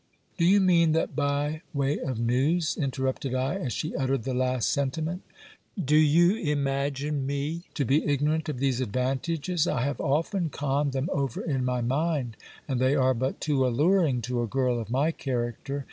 Do you mean that by way of news? interrupted I as she uttered the last sen timent. Do you imagine me to be ignorant of these advantages ? I have often conned them over in my mind, and they are but too alluring to a girl of my character.